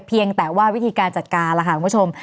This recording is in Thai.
เพียงแต่ว่าวิธีการจัดการล่ะค่ะคุณผู้ชม